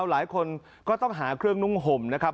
หลายคนก็ต้องหาเครื่องนุ่งห่มนะครับ